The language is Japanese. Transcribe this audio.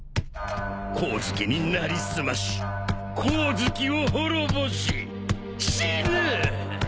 光月に成り済まし光月を滅ぼし死ぬ！